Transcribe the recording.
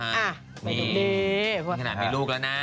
อ่ะขนาดมีลูกแล้วนะ